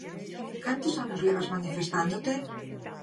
Cantos anos levas manifestándote?